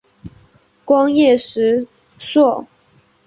光叶石栎